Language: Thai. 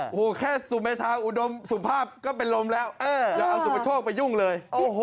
โอ้โหแค่สุเมธาอุดมสุภาพก็เป็นลมแล้วอย่าเอาสุปโชคไปยุ่งเลย